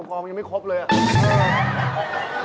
ก็อุปกรณ์หมุนยังไม่ครบเลยอ่ะ